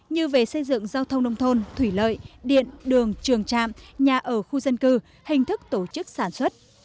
như về xây dựng giao thông nông thôn thủy lợi điện đường trường trạm nhà ở khu dân cư hình thức tổ chức sản xuất